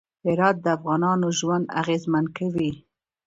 هرات د افغانانو ژوند اغېزمن کوي.